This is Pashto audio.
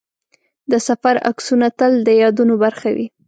د سفر عکسونه تل د یادونو برخه وي.